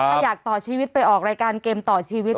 ถ้าอยากต่อชีวิตไปออกรายการเกมต่อชีวิต